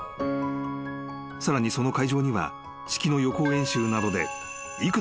［さらにその会場には式の予行演習などで］